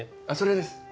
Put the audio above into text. あっそれです。